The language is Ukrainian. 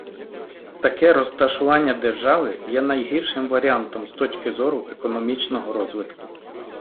Таке розташування держави є найгіршим варіантом з точки зору економічного розвитку.